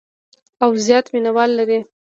او زیات مینوال لري.